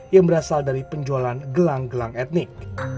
yang berasal dari penjualan gelang gelang etnik